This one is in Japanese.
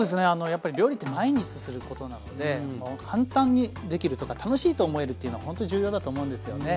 やっぱり料理って毎日することなので簡単にできるとか楽しいと思えるっていうのがほんとに重要だと思うんですよね。